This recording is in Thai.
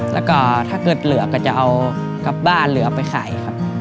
แล้วก็ถ้าเกิดเหลือก็จะเอากลับบ้านเหลือไปขายครับ